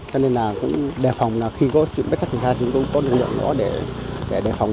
cho nên là cũng đề phòng là khi có chuyện bất chắc xảy ra chúng tôi cũng có lực lượng đó để đề phòng